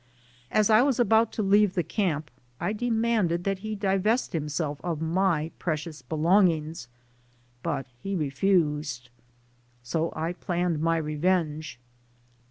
As I was about to leave the camp, I demanded that he divest himself of my precious belongings, but he refused. So I planned my revenge.